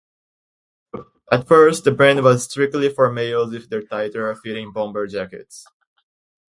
At first, the brand was strictly for males with their tighter fitting bomber jackets.